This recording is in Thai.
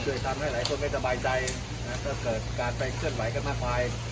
ทำให้หลายคนไม่สบายใจก็เกิดการไปเคลื่อนไหวกันมากมาย